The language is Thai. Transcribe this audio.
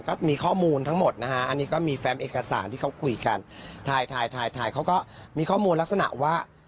ก็มีข้อมูลทั้งหมดนะฮะอันนี้ก็มีแฟมเอกสารที่เขาคุยกันถ่ายถ่ายเขาก็มีข้อมูลลักษณะว่า